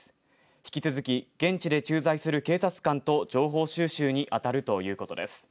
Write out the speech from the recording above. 引き続き現地で駐在する警察官と情報収集にあたるということです。